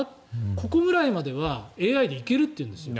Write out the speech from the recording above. ここくらいまではＡＩでいけるというんです。